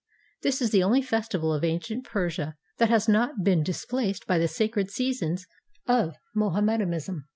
This is the only festival of ancient Persia that has not been displaced by the sacred seasons of Moham medanism.